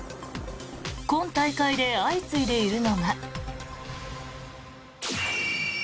今大会で相次いでいるのが。